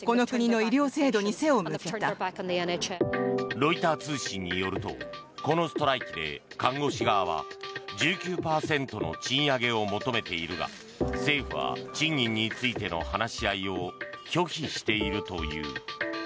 ロイター通信によるとこのストライキで看護師側は１９％の賃上げを求めているが政府は賃金についての話し合いを拒否しているという。